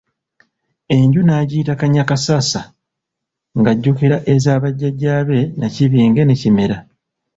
Enju n'agiyita Kannyakassasa ng'ajjukira eza bajjajja be Nnakibinge ne Kimera.